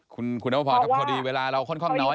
คุณพอดิเวลาเราค่อนน้อย